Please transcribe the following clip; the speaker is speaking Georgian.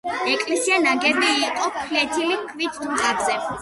ეკლესია ნაგები იყო ფლეთილი ქვით დუღაბზე.